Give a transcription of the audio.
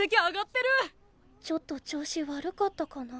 ちょっと調子悪かったかな。